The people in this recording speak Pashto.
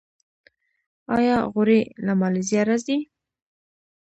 آیا غوړي له مالیزیا راځي؟